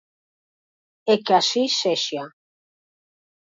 E que así sexa.